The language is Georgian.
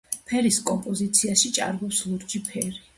ფერის კომპოზიციაში ჭარბობს ლურჯი ფერი.